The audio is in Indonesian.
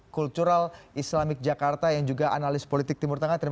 keputusan trump yang juga akan memiliki hubungan dengan israel